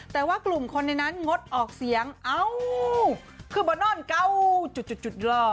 แต่ว่ากลุ่มคนในนั้นงดออกเสียงอ้าวขึ้นมานอนเก้าจุดล่ะ